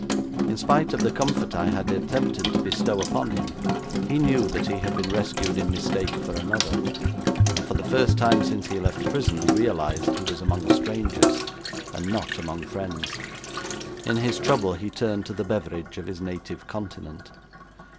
In spite of the comfort I had attempted to bestow upon him, he knew that he had been rescued in mistake for another, and for the first time since he left prison realised he was among strangers, and not among friends. In his trouble he turned to the beverage of his native continent.